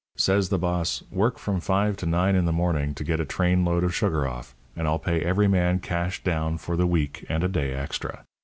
Says the boss: 'Work from five to nine in the morning to get a train load of sugar off, and I'll pay every man cash down for the week and a day extra.'